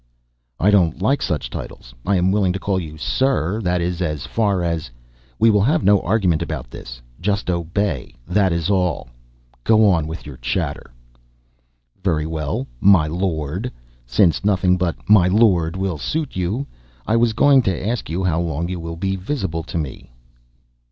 "I don't like such titles. I am willing to call you, sir. That is as far as " "We will have no argument about this. Just obey, that is all. Go on with your chatter." "Very well, my lord since nothing but my lord will suit you I was going to ask you how long you will be visible to me?"